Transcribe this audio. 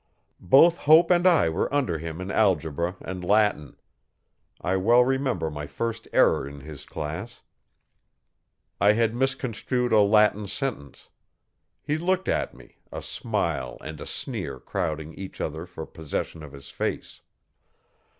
Both Hope and I were under him in algebra and Latin. I well remember my first error in his class. I had misconstrued a Latin sentence. He looked at me, a smile and a sneer crowding each other for possession of his face.